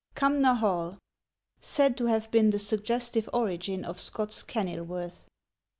CUMNOR HALL. [SAID TO HAVE BEEN THE SUGGESTIVE ORIGIN OF SCOTT'S "KENILWORTH."